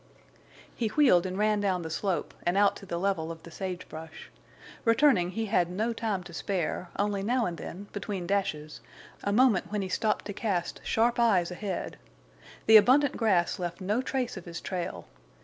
He wheeled and ran down the slope, and out to the level of the sage brush. Returning, he had no time to spare, only now and then, between dashes, a moment when he stopped to cast sharp eyes ahead. The abundant grass left no trace of his trail.